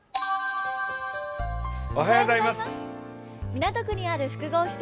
港区にある複合施設